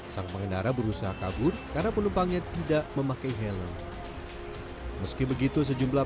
sang pengendara berusaha kabur karena penumpangnya tidak memakai helm meski begitu sejumlah